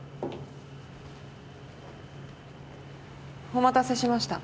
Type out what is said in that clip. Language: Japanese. お待たせしました。